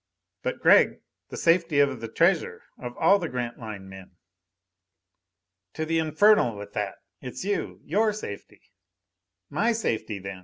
"But, Gregg, the safety of the treasure of all the Grantline men...." "To the infernal with that! It's you, your safety " "My safety, then!